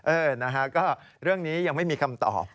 เออนะฮะก็เรื่องนี้ยังไม่มีคำตอบ